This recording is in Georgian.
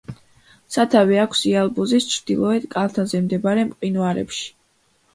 სათავე აქვს იალბუზის ჩრდილოეთ კალთაზე მდებარე მყინვარებში.